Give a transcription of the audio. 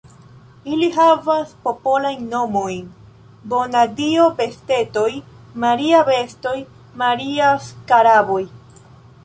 Ili havas popolajn nomojn: Bona-Dio-bestetoj, Maria-bestoj, Maria-skaraboj.